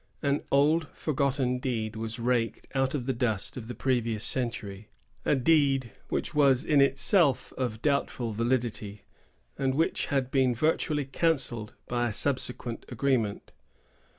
An old, forgotten deed was raked out of the dust of the previous century; a deed which was in itself of doubtful validity, and which had been virtually cancelled by a subsequent agreement.